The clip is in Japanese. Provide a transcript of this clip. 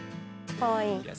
かわいい。